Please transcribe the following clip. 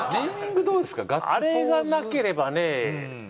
あれがなければねぇ。